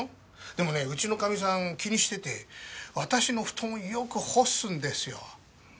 でもねうちのカミさん気にしてて私の布団をよく干すんですよ。